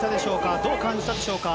どう感じたでしょうか。